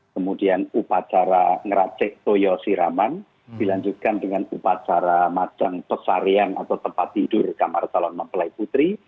kemudian upacara ngeracek toyo siraman dilanjutkan dengan upacara majang pesarian atau tempat tidur kamar salon mempelai putri